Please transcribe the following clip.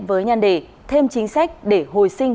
với nhan đề thêm chính sách để hồi sinh